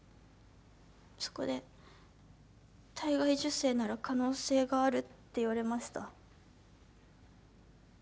そこで体外受精なら可能性があるって言われました。